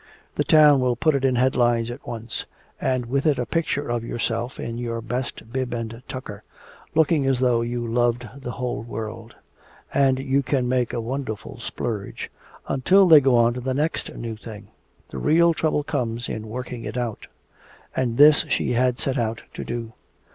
The town will put it in headlines at once, and with it a picture of yourself in your best bib and tucker, looking as though you loved the whole world. And you can make a wonderful splurge, until they go on to the next new thing. The real trouble comes in working it out." And this she had set out to do.